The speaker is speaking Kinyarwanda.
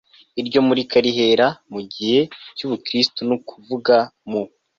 iryo murika rihera mu gihe cy ubukristo ni ukuvuga mu